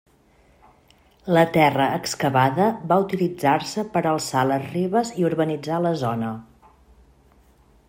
La terra excavada va utilitzar-se per a alçar les ribes i urbanitzar la zona.